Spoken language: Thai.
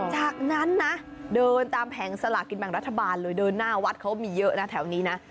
จากนั้นนะเดินตามแผงสลากินแบ่งรัฐบาลเลยเดินหน้าวัดเขามีเยอะนะแถวนี้นะ